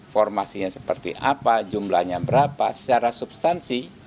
formasinya seperti apa jumlahnya berapa secara substansi